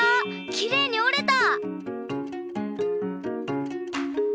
きれいに折れた！